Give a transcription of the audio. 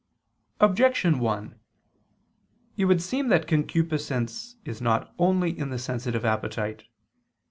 Objection 1: It would seem that concupiscence is not only in the sensitive appetite.